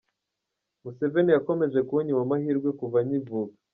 Museveni yakomeje kunyima amahirwe kuva nkivuka.